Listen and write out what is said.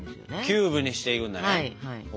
キューブにしていくんだね。ＯＫ。